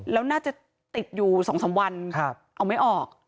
แล้วน่าจะติดอยู่๒๓วันเอาไม่ออก